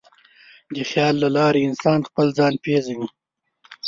د خیال له لارې انسان خپل ځان وپېژني.